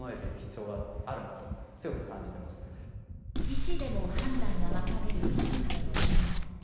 医師でも判断が分かれる今回の問題。